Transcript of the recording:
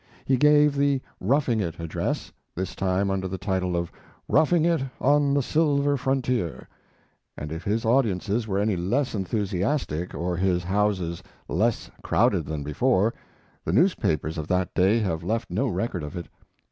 He gave the "Roughing It" address, this time under the title of "Roughing It on the Silver Frontier," and if his audiences were any less enthusiastic, or his houses less crowded than before, the newspapers of that day have left no record of it.